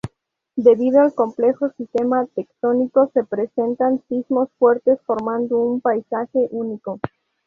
Debido al complejo sistema tectónico, se presentan sismos fuertes formando un paisaje único.